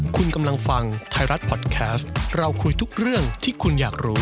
คุณกำลังฟังไทยรัฐพอดแคสต์เราคุยทุกเรื่องที่คุณอยากรู้